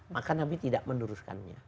maka nabi tidak meneruskannya